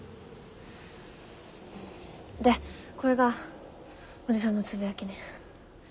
でこれがおじさんのつぶやきね。